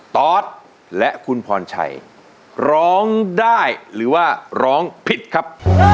ตอสและคุณพรชัยร้องได้หรือว่าร้องผิดครับ